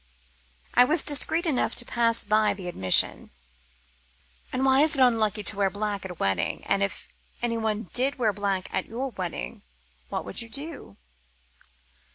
I was discreet enough to pass by the admission. "And why is it unlucky to wear black at a wedding? And if anyone did wear black at your wedding, what would you do?"